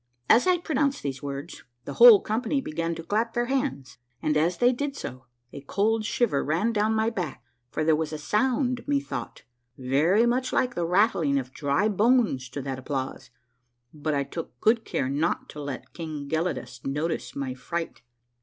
As I pronounced these words, the whole comj)any began to clap their hands ; and as they did so, a cold shiver ran down my back, for there was a sound, methought. very much like the rattling of dry bones to that applause, but I took good care not to let King Gelidus notice my fright.